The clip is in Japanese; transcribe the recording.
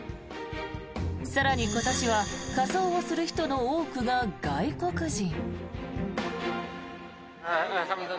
更に、今年は仮装をする人の多くが外国人。